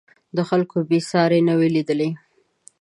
خلکو یې ساری نه و لیدلی.